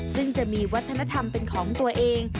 ซึ่งจะมีวัฒนธรรมเป็นของตัวเอง